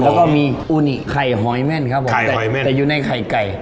แล้วก็มีอูนิไข่หอยแม่นครับผมไก่แม่นแต่อยู่ในไข่ไก่